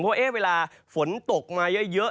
เพราะเวลาฝนตกมาเยอะ